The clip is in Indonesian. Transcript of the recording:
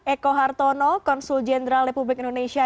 eko hartono konsul jenderal republik indonesia